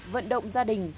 vận động gia đình